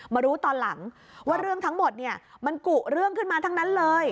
มารู้ตอนหลังว่าเรื่องทั้งหมดมันกุเรื่องขึ้นมาทั้งนั้นเลย